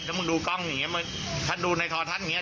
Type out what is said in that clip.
ถ้ามึงดูกล้องอย่างนี้ถ้าดูในทอท่านอย่างนี้